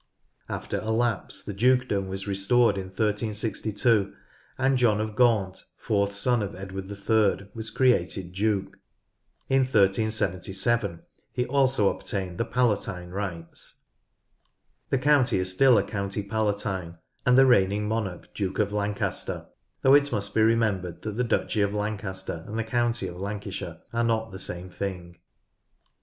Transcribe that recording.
After a lapse, the dukedom was restored in 1362 and John of Gaunt, fourth son of Edward III, was created Duke ; in 1377 he also obtained the palatine rights. The county is still a County Palatine and the reigning monarch Duke of Lancaster, though it must be remem bered that the Duchy of Lancaster and the County of Lancashire are not the same thing.